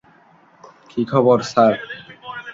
কি খবর স্যার?